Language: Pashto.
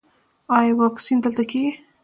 ایا واکسین دلته کیږي؟